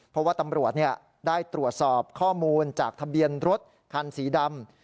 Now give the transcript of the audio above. เพราะว่าตำรวจได้ตรวจสอบข้อมูลจากทะเบียนรถคันสีดำ